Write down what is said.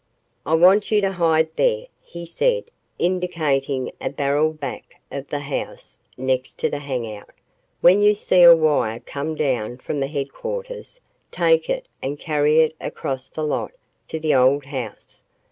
"I want you to hide there," he said, indicating a barrel back of the house next to the hang out. "When you see a wire come down from the headquarters, take it and carry it across the lot to the old house.